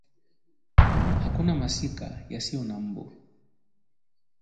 Hakuna masika yasiyokuwa na mbu